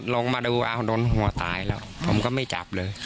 ลงมาดูอ้าวโดนหัวตายแล้วผมก็ไม่จับเลย